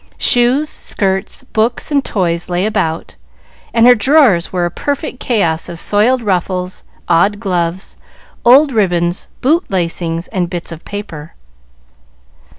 Shoes, skirts, books, and toys lay about, and her drawers were a perfect chaos of soiled ruffles, odd gloves, old ribbons, boot lacings, and bits of paper.